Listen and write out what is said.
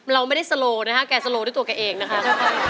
เราไม่ได้สโลนะคะแกสโลด้วยตัวแกเองนะคะ